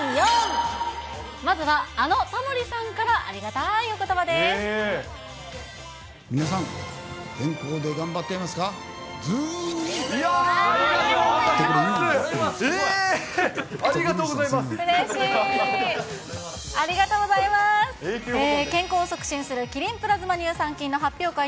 まずは、あのタモリさんから、皆さん、健康で頑張っていますか？